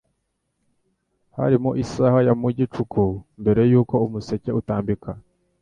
Hari mu isaha ya mu gicuku mbere y'uko umuseke utambika.